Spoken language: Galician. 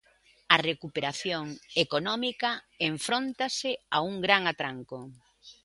A recuperación económica enfróntase a un gran atranco.